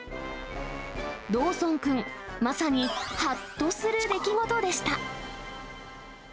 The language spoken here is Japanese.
ドーソン君、まさに、はっとする出来事でした。